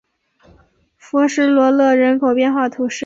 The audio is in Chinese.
弗什罗勒人口变化图示